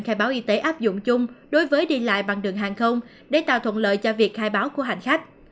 khai báo y tế áp dụng chung đối với đi lại bằng đường hàng không để tạo thuận lợi cho việc khai báo của hành khách